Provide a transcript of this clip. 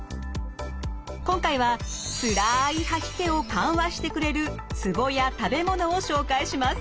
今回はつらい吐き気を緩和してくれるツボや食べ物を紹介します。